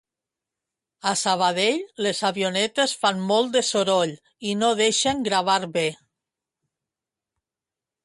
A Sabadell les avionetes fan molt de soroll i no deixen gravar bé